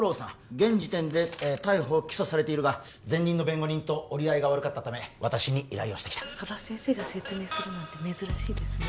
現時点で逮捕起訴されているが前任の弁護人と折り合いが悪かったため私に依頼をしてきた佐田先生が説明するなんて珍しいですね